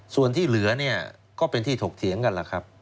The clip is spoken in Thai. ส่วนที่เหลือเนี่ยก็เป็นที่ถกเถียงกันล่ะครับ